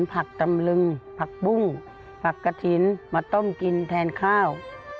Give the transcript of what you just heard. ผักตำลึงผักปุ้งผักกระถิ่นมาต้มกินแทนข้าว